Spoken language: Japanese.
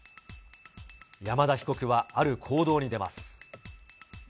山田被告はある行動に出ます。